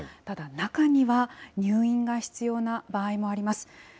ただ、中には入院が必要な場合もあります。